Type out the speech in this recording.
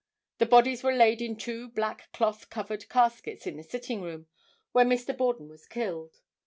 The bodies were laid in two black cloth covered caskets in the sitting room, where Mr. Borden was killed.